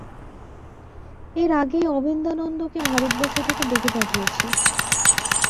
এর আগেই অভেদানন্দকে ভারতবর্ষ থেকে ডেকে পাঠিয়েছি।